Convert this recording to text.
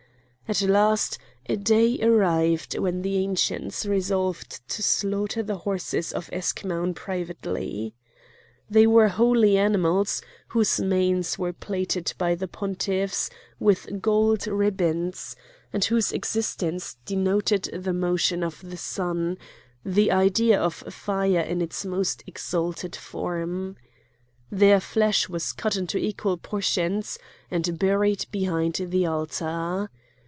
At last a day arrived when the Ancients resolved to slaughter the horses of Eschmoun privately. They were holy animals whose manes were plaited by the pontiffs with gold ribbons, and whose existence denoted the motion of the sun—the idea of fire in its most exalted form. Their flesh was cut into equal portions and buried behind the altar.